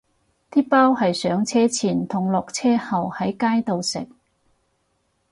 啲包係上車前同落車後喺街度食